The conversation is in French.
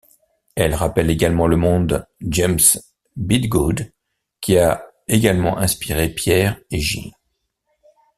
Elle rappelle également le monde James Bidgood qui a également inspiré Pierre et Gilles.